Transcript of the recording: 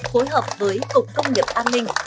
phối hợp với cục công nghiệp an ninh